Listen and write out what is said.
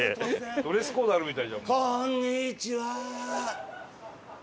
ドレスコードあるみたい。